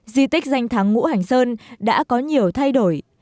di tích danh tháng ngũ hành sơn đã có nhiều thay đổi